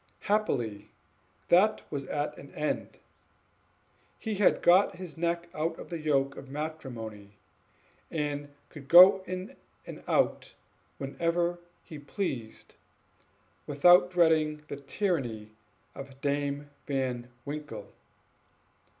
Happily that was at an end; he had got his neck out of the yoke of matrimony, and could go in and out whenever he pleased, without dreading the tyranny of Dame Van Winkle.